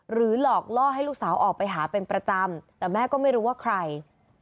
หลอกล่อให้ลูกสาวออกไปหาเป็นประจำแต่แม่ก็ไม่รู้ว่าใคร